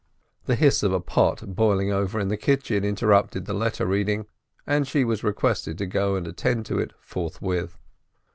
The hiss of a pot boiling over in the kitchen inter rupted the letter reading, and she was requested to go and attend to it forthwith.